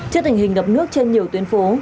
trước tình hình ngập nước trên nhiều tuyến phố